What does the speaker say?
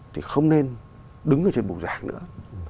thì không nên đứng ở trên bụi giảng nữa